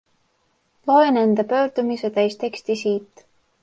Loe nende pöördumise täisteksti siit.